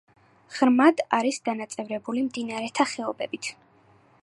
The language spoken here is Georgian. ღრმად არის დანაწევრებული მდინარეთა ხეობებით.